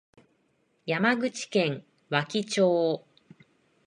山口県和木町